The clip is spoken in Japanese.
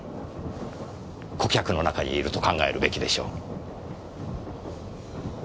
顧客の中にいると考えるべきでしょう。